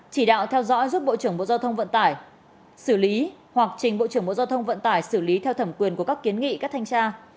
chỉ đạo theo dõi giúp bộ trưởng bộ giao thông vận tải xử lý hoặc trình bộ trưởng bộ giao thông vận tải xử lý theo thẩm quyền của các kiến nghị các thanh tra